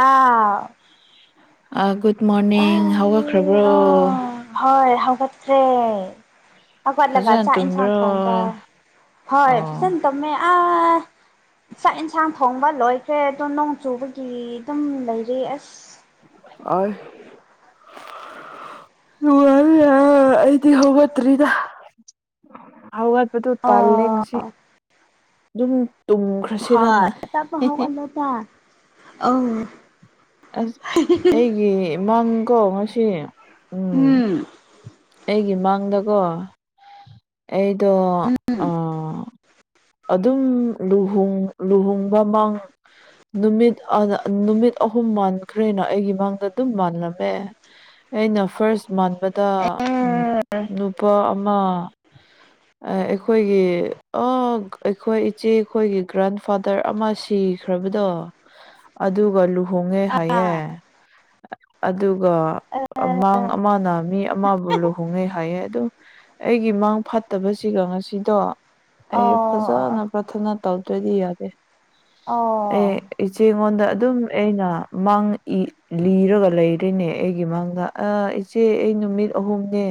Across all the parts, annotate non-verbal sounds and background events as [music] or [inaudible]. ꯑꯥ ꯑ good morning ꯍꯧꯒꯠꯈ꯭ꯔꯕ꯭ꯔꯣ ꯍꯣꯏ ꯍꯒꯠꯈ꯭ꯔꯦ ꯍꯧꯠꯂꯒ ꯐꯖꯅ ꯆꯥꯛ ꯏꯟꯁꯥꯡ ꯇꯨꯝꯕ꯭ꯔꯣ ꯊꯣꯡꯕ ꯍꯣꯏ ꯑꯣ ꯐꯖꯅ ꯇꯨꯝꯃꯦ ꯑꯥ ꯆꯥꯛ ꯌꯦꯟꯁꯥꯡ ꯊꯣꯡꯕ ꯂꯣꯏꯈ꯭ꯔꯦ ꯑꯗꯣ ꯅꯣꯡ ꯆꯨꯕꯒꯤ ꯑꯗꯨꯝ ꯂꯩꯔꯤ ꯑꯁ [unintelligible] [unintelligible] ꯑꯩꯗꯤ ꯍꯧꯒꯠꯇ꯭ꯔꯤꯗ ꯍꯧꯒꯠꯄꯗꯣ ꯇꯜꯂꯦ ꯑꯣ ꯉꯁꯤ ꯗꯨꯝ ꯇꯨꯝ ꯍꯣꯏ ꯇꯞꯄ ꯍꯥꯎꯒꯠꯂꯣꯗ ꯑꯧ ꯑꯁ ꯑꯩꯒꯤ ꯃꯪꯀꯣ ꯉꯁꯤ ꯎꯝ ꯑꯩꯒꯤ ꯃꯪꯗꯀꯣ ꯑꯩꯗꯣ ꯎꯝ ꯑ ꯑꯗꯨꯝ ꯂꯨꯍ‌ꯣꯡ ꯂꯨꯍꯣꯡꯕ ꯃꯥꯡ ꯅꯨꯃꯤꯠ ꯑ ꯅꯨꯃꯤꯠ ꯑꯍꯨꯝ ꯃꯥꯟꯈ꯭ꯔꯦꯅ ꯑꯩꯒꯤ ꯃꯥꯡꯗ ꯑꯗꯨꯝ ꯃꯥꯜꯂꯝꯃꯦ ꯑꯩꯅ ꯐꯥꯔꯁ ꯃꯥꯟꯕꯗ ꯑꯦ ꯅꯨꯄꯥ ꯑꯃ ꯑꯩꯈꯣꯏꯒꯤ ꯑꯥ ꯒꯛ ꯑꯩꯈꯣꯏ ꯏꯆꯦ ꯈꯣꯏꯒꯤ ꯒ꯭ꯔꯥꯟ ꯐꯥꯗꯔ ꯑꯃ ꯁꯤꯈ꯭ꯔꯕꯗꯣ ꯑꯗꯨꯒ ꯂꯨ ꯍꯣꯡꯉꯦ ꯍꯥꯏꯌꯦ ꯑꯥ ꯑꯗꯨꯒ ꯑꯃꯥꯡ ꯃꯅꯥ ꯃꯤ ꯑꯃꯕꯨ ꯂꯨꯍꯣꯡꯉꯦ ꯍꯥꯏꯌꯦ ꯑꯗꯨꯝ ꯑꯩꯒꯤ ꯃꯪ ꯐꯠꯇꯕꯁꯤꯒ ꯉꯁꯤꯗꯣ ꯑꯥ ꯑꯥ ꯐꯅ ꯄꯊꯅ ꯇꯧꯗꯔꯗꯤ ꯌꯥꯗꯦ ꯑꯣ ꯑꯩ ꯏꯆꯦꯉꯣꯟꯗ ꯑꯗꯨꯝ ꯑꯩꯅ ꯃꯪꯏ ꯂꯤꯔꯒ ꯂꯩꯔꯤꯅꯦ ꯑꯩꯒꯤ ꯃꯪꯗ ꯑꯥ ꯏꯆꯦ ꯑꯩ ꯅꯨꯃꯤꯠ ꯑꯍꯨꯝꯅꯦ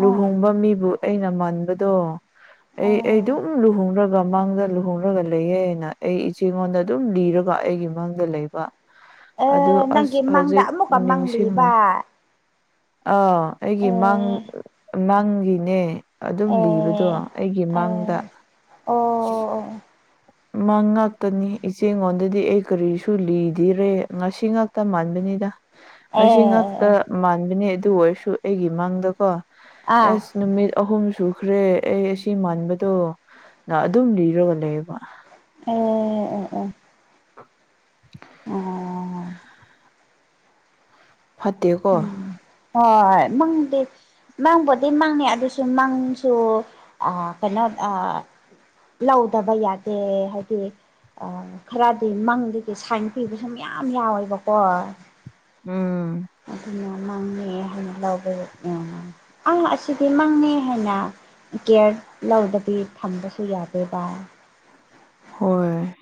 ꯑꯣ ꯂꯨꯍꯣꯡꯕ ꯃꯤꯕꯨ ꯑꯩꯅ ꯃꯟꯕꯗꯣ ꯑꯩ ꯑꯣ ꯑꯩꯗꯨꯝ ꯂꯨꯍꯣꯡꯔꯒ ꯃꯪꯗ ꯂꯨꯍꯣꯡꯔꯒ ꯂꯩꯌꯦ ꯍꯥꯏꯅ ꯑꯩ ꯏꯆꯦꯉꯣꯟꯗ ꯑꯗꯨꯝ ꯂꯤꯔꯒ ꯑꯩꯒꯤ ꯃꯪꯗ ꯂꯩꯕ ꯑꯗꯨ ꯑꯦ ꯑꯁ ꯅꯪꯒꯤ ꯃꯪꯗ ꯍꯧꯖꯤꯛ ꯑꯃꯨꯛꯀ ꯅꯤꯡꯁꯤꯡꯂꯦ ꯃꯪꯂꯤꯕ ꯑꯥ ꯑꯩꯒꯤ ꯑꯦ ꯃꯥꯡ ꯃꯥꯡꯒꯤꯅꯦ ꯑꯗꯨꯝ ꯑꯦ ꯂꯤꯕꯗꯣ ꯑꯩꯒꯤ ꯑꯦ ꯃꯥꯡꯗ ꯑꯣ ꯃꯥꯡ ꯉꯥꯛꯇꯅꯤ ꯏꯆꯦꯉꯣꯟꯗꯗꯤ ꯑꯩ ꯀꯔꯤꯁꯨ ꯂꯤꯗꯤꯔꯦ ꯉꯁꯤ ꯉꯥꯛꯇ ꯃꯥꯟꯕꯅꯤꯗ ꯉꯁꯤ ꯉꯥꯛꯇ ꯃꯥꯟꯕꯅꯦ ꯑꯗꯨ ꯑꯣꯏꯔꯁꯨ ꯑꯩꯒꯤ ꯃꯥꯡꯗꯀꯣ ꯑꯥ ꯑꯁ ꯅꯨꯃꯤꯠ ꯑꯍꯨꯝ ꯁꯨꯈ꯭ꯔꯦ ꯑꯩ ꯑꯁꯤ ꯃꯥꯟꯕꯗꯣ ꯅ ꯑꯗꯨꯝ ꯂꯤꯔꯒ ꯂꯩꯕ ꯎꯝ [unintelligible] ꯐꯠꯇ‌ꯦꯀ‌ꯣ ꯍꯣꯏ ꯃꯪꯗ‌ꯤ ꯃꯪꯕꯨꯗꯤ ꯃꯪꯉ‌ꯦ ꯑꯗꯨꯁꯨ ꯃꯪꯁꯨ ꯑ ꯀꯩꯅꯣ ꯑ ꯂꯧꯗꯕ ꯌꯥꯗꯦ ꯍꯥꯏꯗꯤ ꯑꯥ ꯈꯔꯗꯤ ꯃꯪꯗꯒꯤ ꯁꯥꯏꯟ ꯄꯤꯕꯁꯨ ꯃꯌꯥꯝ ꯌꯥꯎꯋꯦꯕꯀꯣ ꯎꯝ ꯑꯗꯨꯅ ꯃꯥꯡꯅ‌ꯦ ꯍꯥꯏꯅ ꯂꯥꯎꯕ [unintelligible] ꯑꯥ ꯑꯁꯤꯗꯤ ꯃꯪꯅꯤ ꯍꯥꯏꯅ ꯀꯦꯌꯔ ꯂꯧꯗꯕꯤ ꯊꯝꯕꯁꯨ ꯌꯥꯗꯦꯕ ꯍꯣꯏ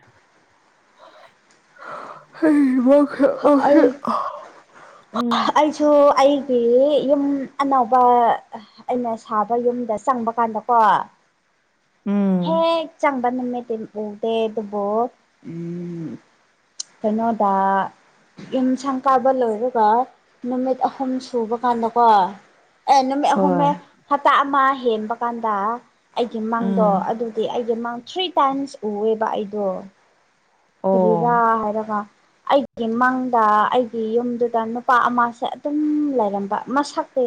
[unintelligible] ꯑꯩ ꯎꯝ ꯑꯩꯁꯨ ꯑꯩ ꯌꯨꯝ ꯑꯅꯧꯕ ꯑꯩꯅ ꯁꯥꯕ ꯌꯨꯝꯗ ꯆꯪꯕ ꯀꯥꯟꯗꯀꯣ ꯎꯝ ꯍꯦꯛ ꯆꯪꯕ ꯅꯨꯝꯃꯠꯇꯗꯤ ꯎꯗꯦ ꯑꯗꯨꯕꯣ ꯎꯝ ꯀꯩꯅꯣꯗ ꯌꯨꯝ ꯁꯪ ꯀꯥꯕ ꯂꯣꯏꯔꯒ ꯅꯨꯃꯤꯠ ꯑꯍꯨꯝ ꯁꯨꯕ ꯀꯥꯟꯗꯀꯣ ꯑꯦ ꯅꯨꯃꯤꯠ ꯑꯍꯨꯝꯅꯤ ꯍꯣꯏ ꯍꯞꯇꯥ ꯑꯃ ꯍꯦꯟꯕ ꯀꯥꯟꯗ ꯑꯩꯒꯤ ꯃꯪꯗꯣ ꯎꯝ ꯑꯗꯨꯗꯤ ꯑꯩꯒꯤ ꯃꯥꯡ ꯊ꯭ꯔꯤ ꯇꯥꯏꯝꯁ ꯎꯑꯦꯕ ꯑꯩꯗꯣ ꯀꯔꯤꯔꯥ ꯑꯣ ꯍꯥꯏꯔꯒ ꯑꯩ ꯑꯩꯒꯤ ꯃꯪꯗ ꯑꯩꯒꯤ ꯌꯨꯝꯗꯨꯗ ꯅꯨꯄꯥ ꯑꯃꯁꯦ ꯑꯗꯨꯝ ꯂꯩꯔꯝꯕ ꯃꯁꯛꯇꯤ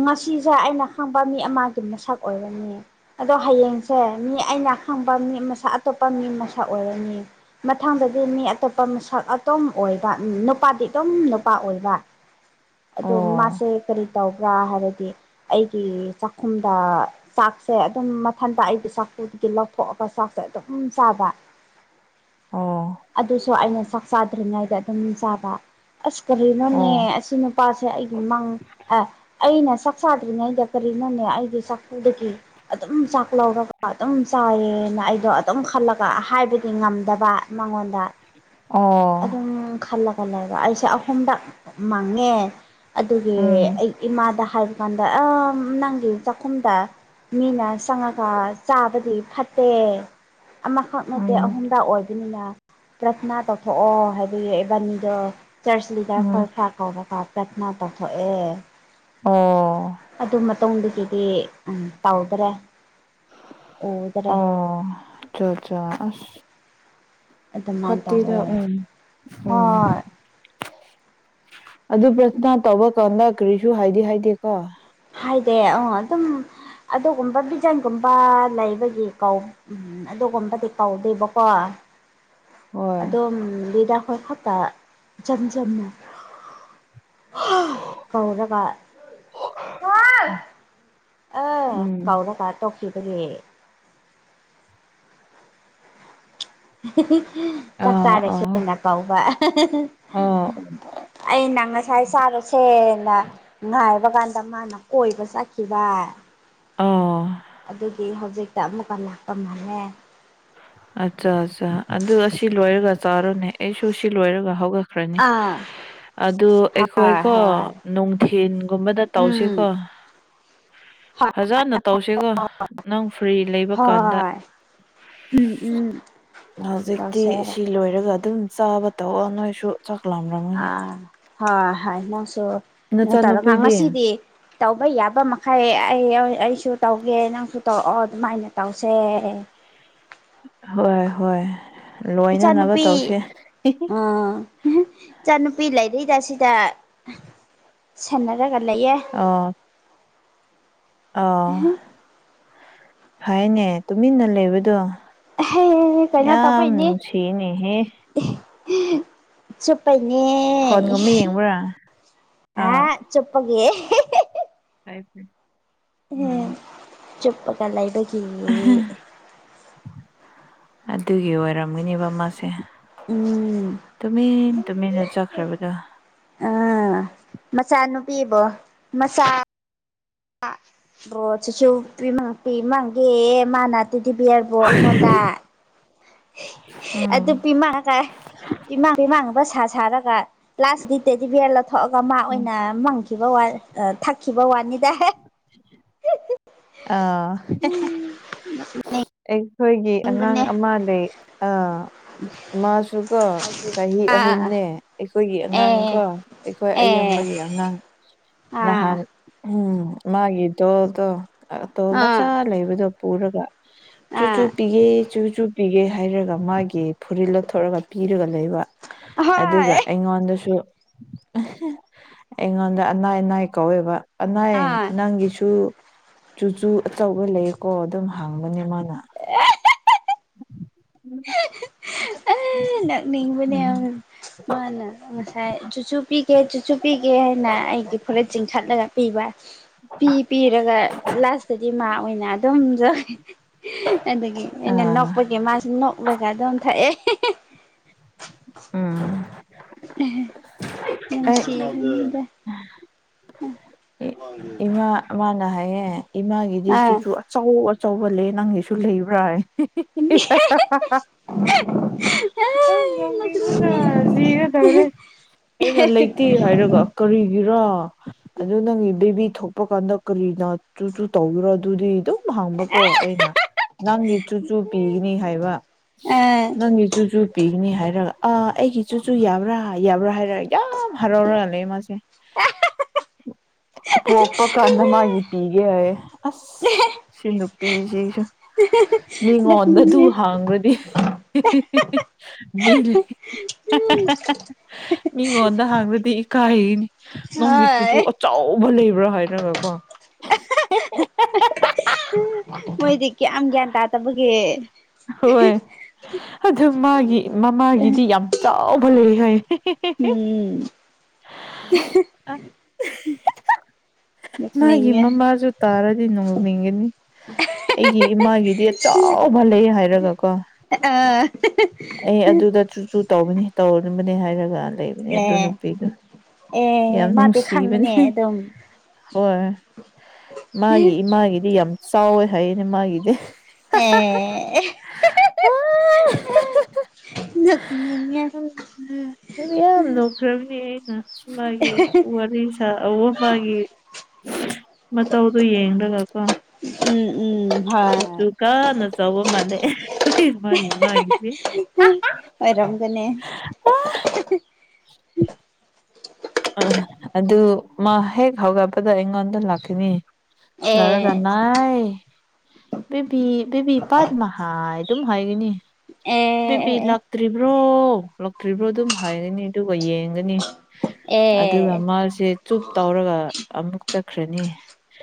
ꯉꯁꯤꯁꯦ ꯑꯩꯅ ꯈꯪꯕ ꯃꯤ ꯑꯃꯒꯤ ꯃꯁꯛ ꯑꯣꯏꯔꯅꯤ ꯑꯗꯣ ꯍꯌꯦꯡꯁꯦ ꯃꯤ ꯑꯩꯅ ꯈꯪꯕ ꯃꯤ ꯃꯁꯛ ꯑꯇꯣꯞꯄ ꯃꯤ ꯃꯁꯛ ꯑꯣꯏꯔꯅꯤ ꯃꯊꯪꯗꯗꯤ ꯃꯤ ꯑꯇꯣꯞꯄ ꯃꯁꯛ ꯑꯗꯨꯝ ꯑꯣꯏꯕ ꯅꯨꯄꯥꯗꯤ ꯑꯗꯨꯝ ꯅꯨꯄꯥ ꯑꯣꯏꯕ [inaudible] ꯑꯗꯣ ꯑꯣ ꯃꯥꯁꯦ ꯀꯔꯤ ꯇꯧꯕ꯭ꯔꯥ ꯍꯥꯏꯔꯗꯤ ꯑꯩꯒꯤ ꯆꯥꯛꯈꯨꯝꯗ ꯆꯥꯛ ꯁꯦ ꯑꯗꯨꯝ ꯃꯊꯟꯇ ꯑꯩꯒꯤ ꯆꯥꯛꯄꯨꯗꯒꯤ ꯂꯧꯊꯣꯛꯑꯒ ꯆꯥꯛꯁꯦ ꯑꯗꯨꯝ ꯆꯥꯕ ꯑꯣ ꯑꯗꯨꯁꯨ ꯑꯩꯅ ꯆꯥꯛ ꯆꯥꯗ꯭ꯔꯤꯉꯩꯗ ꯑꯗꯨꯝ ꯆꯥꯕ ꯑꯁ ꯀꯔꯤꯅꯣꯅꯦ ꯑꯣ ꯑꯁꯤ ꯅꯨꯞ ꯅꯨꯄꯥꯁꯦ ꯑꯩꯒꯤ ꯃꯥꯡ ꯑꯦ ꯑꯩꯅ ꯆꯥꯛ ꯆꯥꯗ꯭ꯔꯤꯉꯩꯗ ꯀꯔꯤꯅꯣꯅꯦ ꯑꯩꯒꯤ ꯆꯥꯛꯐꯨꯗꯒꯤ ꯑꯗꯨꯝ ꯆꯥꯛꯂꯧꯔꯒ ꯑꯗꯨꯝ ꯆꯥꯏꯌꯦꯅ ꯑꯩꯗꯣ ꯑꯗꯨꯝ ꯈꯜꯂꯒ ꯍꯥꯏꯕꯗꯤ ꯉꯝꯗꯕ ꯃꯉꯣꯟꯗ ꯑꯗꯨꯝ ꯑꯣ ꯈꯜꯂ ꯈꯜꯂꯕ ꯑꯩꯁꯦ ꯑꯍꯨꯝꯗ ꯃꯪꯉꯦ ꯑꯗꯨꯒꯤ ꯎꯝ ꯑꯩ ꯏꯃꯥꯗ ꯍꯥꯏꯕꯀꯥꯟꯗ ꯑ ꯅꯪꯒꯤ ꯆꯥꯛꯈꯨꯝꯗ ꯃꯤꯅ ꯆꯪꯉꯒ ꯆꯥꯕꯗꯤ ꯐꯠꯇꯦ ꯑꯃꯈꯛ ꯅꯠꯇꯦ ꯎꯝ ꯑꯍꯨꯝꯗ ꯑꯣꯏꯕꯅꯤꯅ ꯄ꯭ꯔꯊꯅꯥ ꯇꯧꯊꯣꯛꯑꯣ ꯍꯥꯏ ꯑꯗꯨꯒꯤ ꯏꯕꯥꯅꯤꯗꯣ ꯆꯔꯆ ꯂꯤꯗꯔ ꯎꯝ ꯈꯣꯏ ꯈꯔ ꯀꯧꯔꯒ ꯄ꯭ꯔꯊꯅꯥ ꯇꯧꯊꯣꯛꯑꯦ ꯑꯣ ꯑꯗꯨ ꯃꯇꯨꯡꯗꯒꯤꯗꯤ ꯇꯥꯎꯗꯔꯦ ꯑꯣ ꯑꯆꯥ ꯑꯠꯆꯥ ꯑ ꯑꯗꯨꯃꯥꯏꯅ ꯇꯧꯋꯦ ꯐꯠꯇꯤꯗ ꯎꯝ ꯎꯝ ꯍꯣꯏ ꯑꯗꯨ ꯄ꯭ꯔꯊꯅꯥ ꯇꯧꯕ ꯀꯥꯟꯗ ꯀꯔꯤꯁꯨ ꯍꯥꯏꯗꯤꯦ ꯍꯥꯏꯗꯦꯀꯣ ꯍꯥꯏꯗꯤ ꯑ ꯑꯗꯨꯝ ꯑꯗꯨꯒꯨꯝꯕ ꯕꯤꯖꯟꯒꯨꯝꯕ ꯂꯩꯕꯒꯤ ꯀꯧ ꯎꯝ ꯑꯗꯨꯒꯨꯝꯕꯗꯤ ꯀꯧꯗꯣꯏꯕꯀꯣ ꯍꯣꯏ ꯑꯗꯨꯝ ꯂꯤꯗ ꯑꯩꯈꯣꯏ ꯈꯛ ꯇ ꯏꯆꯝ ꯆꯝꯅ ꯀꯧꯔꯒ [unintelligible] ꯑ ꯎꯝ ꯀꯥꯎꯔꯀ ꯇꯧꯈꯤꯈꯤꯕꯒꯂꯤ ꯆꯥꯛ ꯑꯥ ꯆꯥꯔꯦ ꯑꯥ ꯁꯤꯅ ꯀꯧꯕ ꯑꯥ ꯑꯩꯅ ꯉꯁꯥꯏ ꯆꯥꯔꯨꯁꯦꯅ ꯉꯥꯏꯕ ꯀꯥꯟꯗ ꯃꯥꯅ ꯀꯣꯏꯕ ꯆꯠꯈꯤꯕ ꯑꯣꯥ ꯑꯗꯨꯒꯤ ꯍꯧꯖꯤꯛꯇ ꯑꯃꯨꯛꯀ ꯂꯥꯛꯄ ꯃꯜꯃꯦ ꯑꯠꯆꯥ ꯑꯠꯆꯥ ꯑꯗꯨꯒ ꯑꯁꯤ ꯂꯣꯏꯔꯒ ꯆꯥꯔꯣꯅꯦ ꯑꯩꯁꯨ ꯁꯤ ꯂꯣꯏꯔꯒ ꯍꯧꯒꯠ ꯈ꯭ꯔꯅꯤ ꯑꯥ ꯑꯗꯨ ꯍꯣꯏ ꯑꯩꯈꯣꯏꯀꯣ ꯍꯣꯏ ꯅꯨꯡꯊꯤꯟꯒꯨꯝꯕꯗ ꯎꯝ ꯇꯧꯁꯤꯀꯣ ꯍꯣꯏ ꯐꯖꯅ ꯇꯧꯁꯤꯒꯣ ꯅꯪ ꯐ꯭ꯔꯤ ꯂꯩꯕ ꯀꯥꯟꯗ ꯍꯣꯏ ꯎꯝ ꯎꯝ ꯍꯧꯖꯤꯛꯇꯤ ꯇꯧꯁꯦ ꯁꯤ ꯂꯣꯏꯔꯒ ꯑꯗꯨꯝ ꯆꯥꯕ ꯇꯧꯑꯉꯣꯏꯁꯨ ꯆꯥꯛꯂꯝ ꯑꯥ ꯍꯣꯏ ꯍꯣꯏ ꯅꯪꯁꯨ ꯑꯗꯨ ꯇꯧꯔꯒ ꯅꯆꯥꯅꯨꯄꯤꯗꯤ ꯉꯁꯤꯗꯤ ꯇꯧꯕ ꯌꯥꯕ ꯃꯈꯩ ꯑꯩ ꯑꯩꯁꯨ ꯇꯧꯒꯦ ꯅꯪꯁꯨ ꯇꯧꯔꯛꯑꯣ ꯑꯗꯨꯃꯥꯏꯅ ꯇꯧꯁꯦ ꯍꯣꯏ ꯍꯣꯏ ꯂꯣꯏꯅꯅꯕ ꯎꯆꯥꯅꯨꯄꯤ ꯇꯧꯁꯦ ꯑ ꯍꯍ ꯏꯆꯥꯅꯨꯄꯤ ꯂꯩꯔꯤꯗ ꯁꯤꯗ ꯁꯟꯅꯔꯒ ꯂꯩꯌꯦ ꯑꯥ ꯑꯥ ꯍꯥꯏꯅꯦ ꯇꯨꯃꯤꯟꯅ ꯂꯩꯕꯗꯣ ꯑꯍꯦ ꯀꯩꯅꯣ ꯇꯧꯕꯩꯅꯦ ꯌꯥꯝꯅꯨꯡꯁꯤꯅꯦꯍꯦ ꯆꯨꯞꯄꯩꯅꯦ ꯐꯣꯟꯒꯨꯝꯕ ꯌꯦꯡꯕ꯭ꯔꯥ ꯑꯥ ꯆꯨꯄꯒꯤ ꯑꯦꯍꯦꯍꯦ ꯇꯥꯏ ꯍꯝ ꯆꯨꯞꯄꯒ ꯂꯩꯕꯒꯤꯌꯦ ꯑꯗꯨꯒꯤ ꯑꯣꯏꯔꯝꯒꯅꯤꯕ ꯃꯥꯁꯦ ꯎꯝ ꯇꯨꯃꯤꯟ ꯇꯨꯃꯤꯟꯅ ꯆꯈ꯭ꯔꯕꯗꯣ ꯃꯆꯥꯅꯨꯄꯤꯕꯣ ꯃꯆꯥ ꯕꯣꯆꯨꯆꯨ ꯄꯤꯃ ꯄꯦꯃꯪꯒꯦ ꯃꯥꯅꯑꯗꯤꯕꯤ ꯕꯤꯌꯔꯕꯣ ꯑꯩꯉꯣꯟꯗ ꯎꯝ ꯑꯗꯨ ꯄꯤꯃꯥꯒ ꯄꯤꯃꯥꯡ ꯄꯤꯃꯥꯡꯒꯨꯝꯕ ꯁꯥ ꯁꯥꯔꯒ ꯂꯥꯁ ꯗꯤ ꯇꯦꯗꯤꯚꯤꯌꯔ ꯂꯧꯊꯣꯛꯑꯒ ꯃꯥ ꯎꯝ ꯑꯣꯏꯅ ꯃꯪꯈꯤꯕ ꯋꯥ ꯑ ꯊꯛꯈꯤꯕ ꯋꯥꯅꯤꯗ ꯍꯦ ꯑꯥ ꯍꯦꯍꯦ ꯑꯩꯈꯣꯏꯒꯤ ꯑꯉꯥꯡ ꯅꯤꯡꯕꯅꯦ ꯑꯃ ꯂꯩ ꯑ ꯃꯥꯁꯨꯀꯣ ꯆꯍꯤ ꯑꯥ ꯑꯍꯨꯝꯅꯦ ꯑꯩꯈꯣꯏꯒꯤ ꯑꯉꯥꯡꯀꯣ ꯑꯦ ꯑꯩꯈꯣꯏ ꯑꯦ ꯑꯌꯥꯝꯕꯒꯤ ꯑꯉꯥꯡ ꯑꯥ ꯅꯍꯥꯟ ꯎꯝ ꯃꯥꯒꯤ ꯗꯣꯜꯗꯣ ꯑꯇꯣ ꯃꯆꯥ ꯑꯥ ꯂꯩꯕꯗꯣ ꯄꯨꯔꯒ ꯆꯨꯆꯨꯞ ꯑꯥ ꯄꯤꯒꯦ ꯆꯨ ꯆꯨ ꯄꯤꯒꯦ ꯍꯥꯏꯔꯒ ꯃꯥꯒꯤ ꯐꯨꯔꯤꯜ ꯂꯧꯊꯣꯔꯒ ꯄꯤꯔꯒ ꯂꯩꯕ ꯑꯗꯨꯒ ꯍꯣꯏ ꯑꯩꯉꯣꯟꯗꯁꯨ ꯑꯩꯉꯣꯟꯗ ꯑꯅꯥꯏ ꯅꯥꯏ ꯀꯧꯋꯦꯕ ꯑꯅꯩ ꯑꯥ ꯅꯪꯒꯤꯁꯨ ꯆꯨꯆꯨ ꯑꯆꯧꯕ ꯂꯩꯌꯦꯀꯣ ꯑꯗꯨꯝ ꯍꯪꯕꯅꯦ ꯃꯥꯅ ꯎꯝ ꯅꯣꯛꯅꯤꯡꯕꯅꯦ ꯃꯥꯅ ꯉꯁꯥꯏ ꯆꯨꯆꯨ ꯄꯤꯒꯦ ꯆꯨ ꯆꯨ ꯄꯤꯒꯦ ꯍꯥꯏꯅ ꯑꯩꯒꯤ ꯐꯨꯔꯤꯠ ꯆꯤꯡꯇꯠꯂꯒ ꯄꯤꯕ ꯄꯤ ꯄꯤꯔꯒ ꯂꯥꯁꯇꯗꯤ ꯃꯥ ꯑꯣꯏꯅ ꯑꯗꯨꯝ ꯖꯣꯏ ꯑꯗꯒꯤ ꯑꯩꯅ ꯑꯥ ꯅꯣꯛꯄꯒꯤ ꯃꯥꯁꯨ ꯅꯣꯛꯂꯒ ꯑꯗꯨꯝ ꯊꯛꯑꯦ ꯎꯝ ꯑꯍꯦ ꯑꯩ ꯅꯨꯡꯁꯤꯕꯅꯤꯗ ꯑ ꯏꯃꯥ ꯃꯥꯅ ꯍꯥꯏꯌꯦ ꯏꯃꯥꯒꯤꯗꯤ ꯑꯥ ꯆꯨꯆꯨ ꯑꯆꯧ ꯑꯆꯧꯕ ꯂꯩꯏ ꯅꯪꯒꯤꯁꯨ ꯂꯩꯕ꯭ꯔꯥ ꯍꯥꯏ [inaudible] ꯍ ꯑꯥꯏ ꯅꯣꯛꯅꯤꯡꯕꯅ ꯖꯤꯒꯗꯧꯔꯦ ꯑꯩꯅ ꯂꯩꯇꯦ ꯍꯥꯏꯔꯒ ꯀꯔꯤꯒꯤꯔꯣ ꯑꯗꯨ ꯅꯪꯒꯤ ꯕꯤꯕꯤ ꯊꯣꯛꯄ ꯀꯥꯟꯗ ꯀꯔꯤꯅ ꯆꯨ ꯆꯨ ꯇꯧꯒꯦꯔꯥ ꯑꯗꯨꯗꯤ ꯗꯨꯝ ꯑꯨꯝ ꯍꯪꯕꯀꯣ ꯑꯩꯅ ꯅꯪꯒꯤ ꯆꯨꯆꯨ ꯄꯤꯒꯅꯤ ꯍꯥꯏꯕ ꯑꯥ ꯅꯪꯒꯤ ꯆꯨ ꯆꯨ ꯄꯤꯒꯅꯤ ꯍꯥꯏꯔꯑ ꯑ ꯑꯩꯒꯤ ꯆꯨꯆꯨ ꯌꯥꯕ꯭ꯔꯥ ꯌꯥꯕ꯭ꯔꯥ ꯍꯥꯏꯔ ꯌꯥꯝ ꯍꯔꯥꯎꯔ ꯂꯩꯌꯦ ꯃꯥꯁꯦ ꯄꯣꯛꯄ ꯀꯥꯟꯗ ꯃꯥꯒꯤꯄꯤ ꯌꯦ ꯑꯥꯏꯌꯦ ꯑꯁ ꯁꯤꯅꯨꯄꯤꯁꯤꯁꯨ ꯃꯤꯉꯣꯟꯗ ꯑꯗꯨ ꯅꯣꯛꯅꯤꯡꯉꯦ ꯍꯥꯡꯕꯗꯤ ꯃꯤ ꯂꯩ ꯃꯤꯉꯣꯟꯗ ꯍꯥꯡꯔꯗꯤ ꯏꯀꯥꯏꯌꯦꯅꯤ ꯅꯣꯡꯒꯤ ꯆꯨꯆꯨ ꯍꯣꯏ ꯑꯆꯧꯕ ꯂꯩꯕ꯭ꯔꯥ ꯍꯥꯏꯔꯒ ꯀꯣ ꯃꯣꯏꯗꯤ ꯀꯌꯥꯝ ꯒ꯭ꯌꯥꯟ ꯇꯥꯗꯕꯒꯦ ꯍꯣꯏ ꯑꯗꯨ ꯃꯥꯒꯤ ꯃꯃꯥꯒꯤꯗꯤ ꯌꯥꯝ ꯆꯥꯎꯕ ꯂꯩ ꯍꯥꯏ ꯎꯝ [unintelligible] ꯃꯥꯒꯤ ꯅꯣꯛꯅꯤꯡꯉꯦ ꯃꯃꯥꯁꯨ ꯇꯥꯔꯗꯤ ꯅꯣꯡꯅꯤꯡꯒꯅꯤ ꯑꯩꯒꯤ ꯏꯃꯥꯒꯤꯗꯤ ꯑ ꯆꯥꯎꯕ ꯂꯩ ꯍꯥꯏꯔꯒꯀꯣ ꯑ ꯑꯩ ꯑꯗꯨꯗ ꯆꯨ ꯆꯨ ꯇꯧꯕꯅꯤ ꯇꯧꯝꯕꯅꯦ ꯍꯥꯏꯔꯒ ꯂꯩ ꯅꯦ ꯑꯗꯨ ꯑꯦ ꯅꯨꯄꯤꯗꯣ ꯌꯥꯝ ꯑꯦ ꯃꯥꯗꯤ ꯅꯨꯡꯁꯤꯕꯅꯦ ꯈꯪꯉꯤꯅꯦ ꯑꯗꯨꯝ ꯍꯣꯏ ꯃꯥꯒꯤ ꯏꯃꯥꯒꯤꯗꯤ ꯌꯥꯝ ꯁꯑꯣ ꯍꯥꯏꯌꯦꯅꯤꯃꯒꯤꯗꯦ ꯑꯦ ꯑꯣ ꯅꯅꯤ ꯑꯗꯨ ꯌꯥꯝꯌꯥꯝ ꯂꯧꯣꯛꯈ꯭ꯔꯕꯅꯦ ꯑꯩꯅ ꯃꯥꯒꯤ ꯋꯥꯔꯤ ꯑ ꯑꯎꯕꯒꯤ ꯃꯇꯧꯗꯨꯣ ꯌꯦꯡꯂꯒꯀꯣ ꯎꯝ ꯎꯝ ꯍ ꯨꯁꯨꯨ ꯀꯥꯟꯅ ꯆꯥꯎ ꯃꯥꯅꯦ ꯃꯥꯒꯤ ꯃꯥꯒꯤꯁꯦ ꯑꯣꯏꯔꯝꯒꯅꯤ ꯑ ꯑꯗꯨ ꯃꯥ ꯍꯦꯛ ꯍꯧꯒꯠꯄꯗ ꯑꯩꯉꯣꯟꯗ ꯂꯥꯛꯈꯤꯅꯤ ꯑꯦ ꯑꯦ ꯑꯦ ꯑꯦ ꯂꯔꯀꯥꯟ ꯥꯏꯕꯤꯕꯤ ꯄꯠ ꯃꯍ ꯍꯥꯏꯥꯏ ꯑꯗꯨꯝ ꯍꯥꯏꯒꯅꯤ ꯕꯦꯕꯤ ꯂꯥꯛꯇ꯭ꯔꯤꯕ꯭ꯔꯣ ꯂꯥꯛꯇ꯭ꯔꯤꯕ꯭ꯔꯣ ꯑꯗꯨꯝ ꯍꯥꯏꯒꯅꯤ ꯑꯗꯨꯒ ꯌꯦꯡꯒꯅꯤ ꯑꯗꯨꯒ ꯑꯦ ꯑꯦ ꯃꯥꯁꯦ ꯆꯨꯞ ꯇꯧꯔꯒ ꯑꯃꯨꯛ ꯆꯠꯈ꯭ꯔꯅꯤ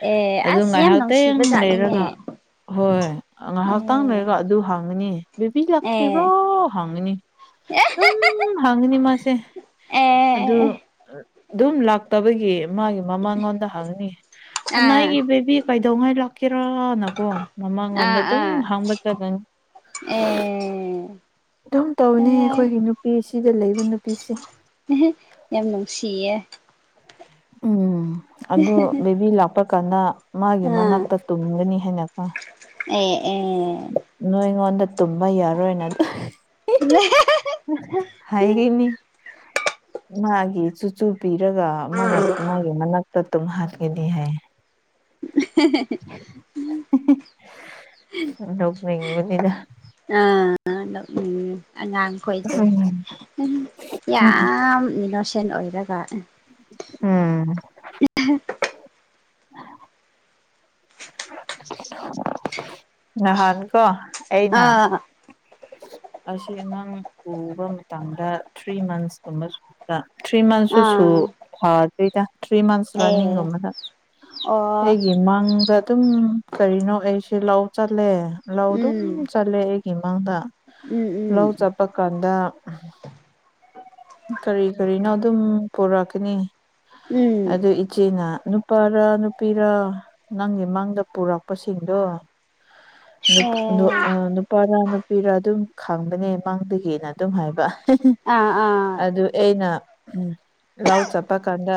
ꯑꯦ ꯑꯗꯨ ꯑꯁ ꯌꯥꯝ ꯉꯥꯏꯍꯥꯛꯇꯪ ꯅꯨꯡꯁꯤꯕ ꯖꯥꯠꯅꯤꯅꯦ ꯂꯩꯔꯒ ꯍꯣꯏ ꯉꯥꯏꯍꯥꯛꯇꯪ ꯑꯦ ꯂꯩꯔꯒ ꯑꯗꯨ ꯍꯥꯡꯒꯅꯤ ꯕꯦꯕꯤ ꯂꯥꯛꯇ꯭ꯔꯤꯕ꯭ꯔꯣ ꯑꯦ ꯍꯥꯡꯉꯅꯤ ꯑꯦ ꯑꯗꯨꯝ ꯍꯥꯡꯉꯅꯤ ꯃꯥꯁꯦ ꯑꯗꯨ ꯑꯦ ꯑꯗꯨꯝ ꯂꯥꯛꯇꯕꯒꯤ ꯃꯥꯒꯤ ꯃꯃꯥꯡꯉꯣꯟꯗ ꯍꯪꯅꯤꯅꯥ ꯑꯥ ꯑꯅꯥꯒꯤ ꯕꯦꯕꯤ ꯀꯩꯗꯧꯉꯥꯏ ꯂꯥꯛꯀꯦꯔꯥꯅꯀꯣ ꯃꯃꯥꯡꯉꯣꯟꯗ ꯑꯥ ꯑꯗꯨꯝ ꯑꯥ ꯍꯥꯡꯕ ꯆꯠꯂꯅꯤ [unintelligible] ꯑꯗꯨꯝ ꯇꯧꯅꯤ ꯑꯩꯈꯣꯏꯒꯤ ꯅꯨꯄꯤ ꯁꯤꯗ ꯂꯩꯕ ꯅꯨꯄꯤꯁꯤ [unintelligible] ꯌꯥꯝ ꯅꯨꯡꯁꯤꯌꯦ ꯎꯝ ꯑꯗꯨ ꯕꯦꯕꯤ ꯂꯥꯛꯄ ꯀꯥꯟꯗ ꯃꯥꯒꯤ ꯑꯥ ꯃꯅꯥꯛꯇ ꯇꯨꯝꯒꯅꯤ ꯍꯥꯏꯅꯀꯣ ꯑꯦ ꯑꯦ ꯅꯣꯏ ꯑꯩꯉꯣꯟꯗ ꯇꯨꯝꯕ ꯌꯥꯔꯣꯏꯅꯗ [unintelligible] ꯍꯥꯏꯒꯅꯤ ꯃꯥꯒꯤ ꯆꯨ ꯆꯨ ꯄꯤꯔꯒ ꯃꯥꯅ ꯃꯥꯒꯤ ꯃꯅꯥꯛꯇ ꯇꯨꯝ ꯍꯥꯟꯒꯅꯤ ꯍꯥꯏ ꯎꯝ ꯅꫭꯛꯅꯤꯡꯕꯅꯤꯗ ꯑ ꯅꫭꯛꯅꯤꯡꯉꯦ ꯑꯉꯥꯡ ꯑꯩꯈꯣꯏꯗꫭ ꯌꯥꯝ ꯏꯅꯣꯁꯦꯟ ꯑꯣꯏꯔꯒ ꯎꯝ [unintelligible] [inaudible] ꯅꯍꯥꯟ ꯀꯣ ꯑꯩꯅ ꯑꯥ ꯑꯁꯤ ꯑꯉꯥꯡ ꯎꯕ ꯃꯇꯝꯗ ꯊ꯭ꯔꯤ ꯃꯟꯁꯀꯨꯝꯕ ꯁꯗ ꯊ꯭ꯔꯤ ꯃꯟꯊꯁꯨ ꯁꯨꯨ ꯑꯥ ꯐꯥꯠꯇ꯭ꯔꯤꯗ ꯊ꯭ꯔꯤ ꯃꯟꯁ ꯑꯦ ꯔꯟꯅꯤꯡꯒꯨꯝꯕꯗ ꯑꯣ ꯑꯩꯒꯤ ꯎꯃꯪꯗ ꯑꯗꯨꯝ ꯀꯔꯤꯅꯣ ꯑꯩꯁꯦ ꯂꯧ ꯆꯠꯂꯦ ꯂꯧ ꯑꯗꯨꯝ ꯎꯝ ꯆ ꯂꯦ ꯑꯩꯒꯤ ꯃꯥꯡꯗ ꯎꯝ ꯎꯝ ꯄꯥ ꯀꯥꯟꯗ ꯀꯔꯤ ꯀꯔꯤꯅꯣ ꯑꯗꯨꯝ ꯄꯨꯔꯛꯀꯅꯤ ꯎꯝ ꯑꯗꯨ ꯏꯆꯦꯅ ꯅꯨꯄꯥꯔꯥ ꯅꯨꯄꯤꯔ ꯅꯪꯒꯤ ꯃꯪꯗ ꯄꯨꯔꯛꯄꯁꯤꯡꯗꯣ [unintelligible] ꯑꯦ ꯅꯨꯄꯥꯔ ꯄꯤꯔꯥ ꯑꯗꯨꯝ ꯈꯪꯒꯅꯤ ꯃꯥꯡꯗꯒꯤꯅ ꯑꯗꯨꯝ ꯍꯥꯏꯕ ꯑꯥ ꯑꯥ ꯑꯗꯨ ꯑꯩꯅ ꯂꯧ ꯆꯠꯄ ꯀꯥꯟꯗ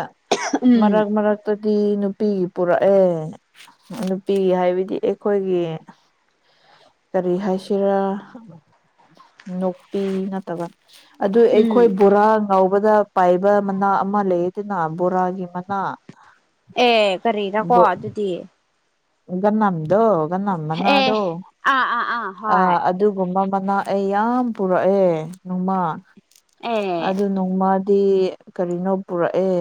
ꯎꯝ ꯃꯔꯛ ꯃꯔꯛ ꯇꯗꯤ ꯅꯨꯄꯤ ꯄꯨꯔꯛꯑꯦ ꯅꯨꯄꯤ ꯍꯥꯏꯕꯗꯤ ꯑꯩꯈꯣꯏꯒꯤ ꯀꯔꯤ ꯍꯥꯏꯁꯤꯔꯥ ꯅꯨꯄꯤ ꯅꯠꯇꯕ ꯑꯗꯨ ꯑꯩꯈꯣꯏ ꯎꯝ ꯕꯣꯔꯥ ꯉꯥꯎꯕꯗ ꯄꯥꯏꯕ ꯃꯅꯥ ꯑꯃꯥ ꯂꯩꯌꯦꯗꯅ ꯕꯣꯔꯥꯒꯤ ꯃꯅꯥ ꯑꯦ ꯀꯔꯤꯔꯥꯀꯣ ꯑꯗꯨꯗꯤ ꯒꯅꯝꯗꯣ ꯒꯅꯝ ꯑꯦ ꯃꯅꯥꯗꯣ ꯑꯥ ꯑꯥ ꯍꯣꯏ ꯑꯥ ꯑꯗꯨꯒꯨꯝꯕ ꯃꯅꯥ ꯑꯩ ꯌꯥꯝ ꯄꯨꯔꯛꯑꯦ ꯅꯣꯡꯃꯥ ꯑꯦ ꯑꯗꯨ ꯅꯣꯡꯃꯥ ꯃꯥꯗꯤ ꯀꯔꯤꯅꯣ ꯄꯨꯔꯛꯑꯦ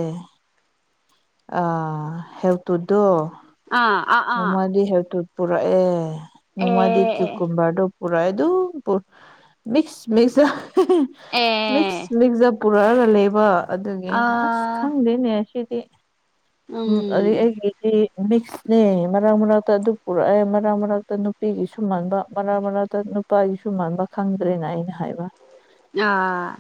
ꯑ ꯥꯍꯦꯜꯇꯨꯗꯨ ꯑꯥ ꯑꯥ ꯑꯥ ꯅꯣꯡꯃꯗꯤ ꯍꯦꯜꯇꯨ ꯄꯨꯔꯛꯑꯦ ꯑꯦ ꯅꯣꯡꯃꯥꯗꯤ ꯀ꯭ꯌꯨ ꯑꯦ ꯀꯨꯨꯝꯚꯔꯗꯣ ꯄꯨꯔꯥꯑꯦ ꯑꯗꯨꯝ [unintelligible] [unintelligible] ꯃꯤꯛꯁ ꯃꯤꯛꯁꯗ ꯄꯨꯔꯛꯑꯥꯒ ꯂꯩꯕ ꯑꯗꯨꯒꯤꯅ ꯑꯁ ꯑꯥ ꯈꯪꯗꯦꯅꯦ ꯁꯤꯗꯤ ꯎꯝ ꯑꯗꯨ ꯑꯩꯒꯤ ꯃꯤꯛꯁꯅꯦ ꯃꯔꯥꯛ ꯃꯔꯛꯇꯥ ꯑꯗꯨ ꯄꯨꯔꯛꯑꯦ ꯃꯔꯛ ꯃꯔꯛꯇ ꯅꯨꯄꯤꯒꯤꯁꯨ ꯃꯥꯟꯕ ꯃꯔꯥꯛ ꯃꯔꯛꯇꯥ ꯅꯨꯄꯥꯒꯤꯁꯨ ꯃꯥꯟꯕ ꯈꯪꯗ꯭ꯔꯦꯅ ꯑꯩꯅ ꯍꯥꯏꯕ ꯑꯥ